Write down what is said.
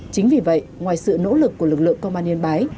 chính vì vậy ngoài sự nỗ lực của lực lượng công an yên bái